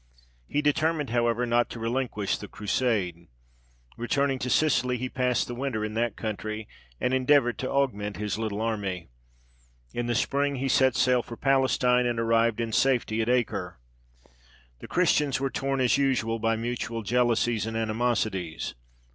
He determined, however, not to relinquish the Crusade. Returning to Sicily, he passed the winter in that country, and endeavoured to augment his little army. In the spring he set sail for Palestine, and arrived in safety at Acre. The Christians were torn, as usual, by mutual jealousies and animosities.